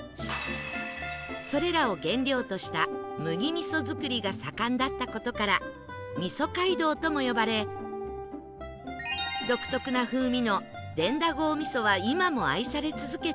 それらを原料とした麦味噌作りが盛んだった事から味噌街道とも呼ばれ独特な風味の伝田郷味噌は今も愛され続けています